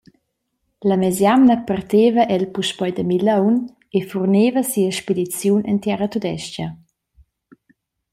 La mesjamna parteva el puspei da Milaun e furneva sia spediziun en Tiaratudestga.